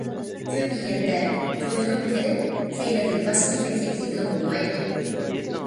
كۆپ يېگەندە،« تويۇنۇپ» قېلىپ، كەينىدىن باشقا يېمەكلىك يېگىلى بولمايدۇ.